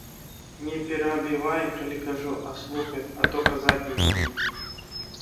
Не перабівай, калі кажу, а слухай, а то казаць не буду!